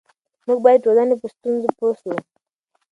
موږ باید د ټولنې په ستونزو پوه سو.